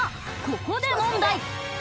ここで問題